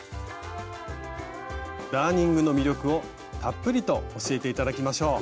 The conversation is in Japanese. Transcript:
ダーニングの魅力をたっぷりと教えて頂きましょう。